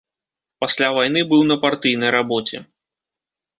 Пасля вайны быў на партыйнай рабоце.